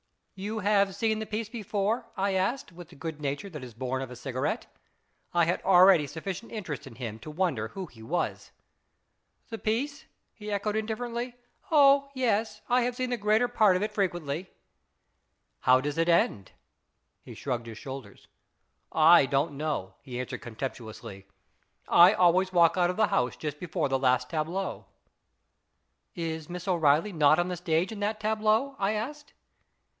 " You have seen the piece before ?" I asked, with the good nature that is born of a cigarette. I had already sufficient interest in him to wonder who he was. " The piece ?" he echoed indifferently. " Oh yes ; I have seen the greater part of it frequently." " How does it end ?" IS IT A MANf 243 He shrugged his shoulders. " I don't know," he answered contemptuously. "I always walk out of the house just before the last tableau." " Is Miss O'Reilly not on the stage in that tableau ?" I asked.